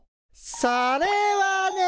それはね。